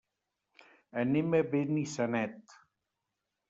Anem a Benissanet.